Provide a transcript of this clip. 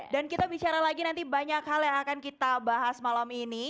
dan kita bicara lagi nanti banyak hal yang akan kita bahas malam ini